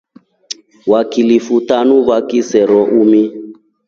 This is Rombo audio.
Vakilifu tanu na vakisero umi.